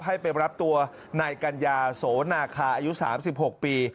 ให้ไปรับตัวนายกัญญาโสนาคาอายุ๓๖ปี